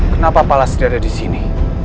kenapa pallas tidak ada di sini